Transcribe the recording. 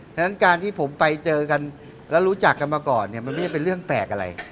ฉะนั้นการที่ผมไปเจอกันและรู้จักกันมาก่อนเนี่ยมันไม่ได้เป็นเรื่องแปลกอะไร